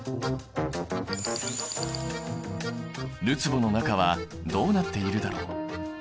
るつぼの中はどうなっているだろう？